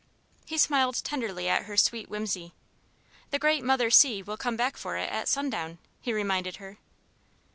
He smiled tenderly at her sweet whimsy. "The great mother sea will come back for it at sundown," he reminded her.